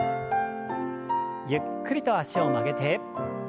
ゆっくりと脚を曲げて。